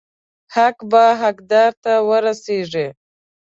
حق به حقدار ته ورسیږي.